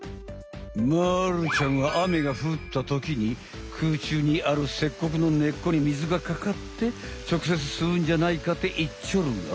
まるちゃんは雨がふったときに空中にあるセッコクの根っこに水がかかってちょくせつすうんじゃないかっていっちょるが。